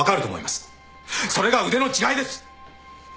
それが腕の違いです！